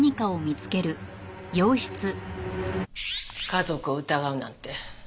家族を疑うなんて。